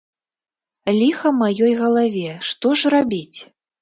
Ліха маёй галаве, што ж рабіць?